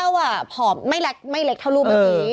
แต่เต้าอะผอมไม่เล็กเท่ารูปแบบนี้